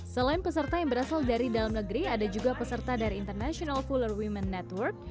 selain peserta yang berasal dari dalam negeri ada juga peserta dari international full women network